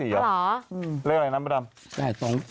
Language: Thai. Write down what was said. ๘๒๔เหรอเลขอะไรนะมดดำ